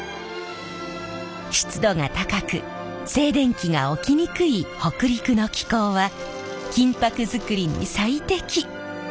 湿度が高く静電気が起きにくい北陸の気候は金箔作りに最適。